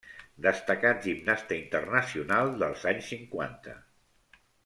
Destacat gimnasta internacional dels anys cinquanta.